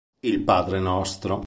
Il Padre nostro.